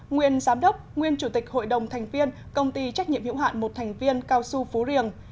nguyên giám đốc nguyên chủ tịch hội đồng thành viên công ty trách nhiệm hữu hạn một thành viên cao su phú riềng